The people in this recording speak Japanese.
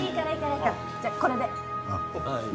じゃあこれで。